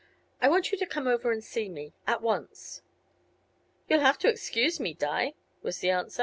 "I want you to come over and see me; at once." "You'll have to excuse me, Di," was the answer.